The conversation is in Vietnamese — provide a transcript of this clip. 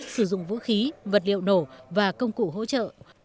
sử dụng vũ khí vật liệu nổ và công cụ hỗ trợ